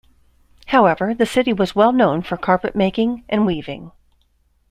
However, the city was well known for carpet making and weaving.